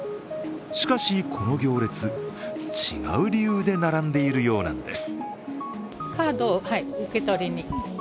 しかし、この行列、違う理由で並んでいるようなんです。